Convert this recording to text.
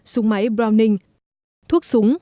súng máy browning thuốc súng